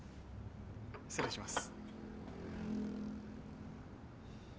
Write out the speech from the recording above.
失礼します。